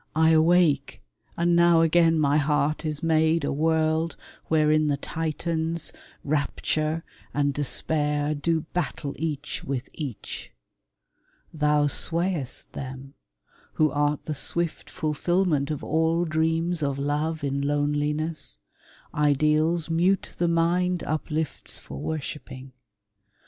I awake, 55 TASSO TO LEONORA And now again my heart is made a world Wherein the Titans, Rapture and Despair, Do battle each with each. Thou swayest them, Who art the swift fulfilment of all dreams Of love in loneliness — ideals mute The mind uplifts for worshiping.